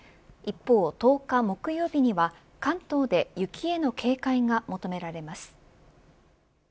一方１０日木曜日には関東で雪への警戒が求められます。